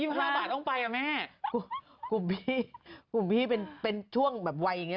เด็ก๒๕บาทต้องไปอ่ะแม่คุณพี่คุณพี่เป็นช่วงแบบวัยอย่างนี้